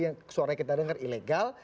yang suaranya kita dengar ilegal